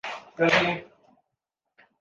لاہور قلندرز کے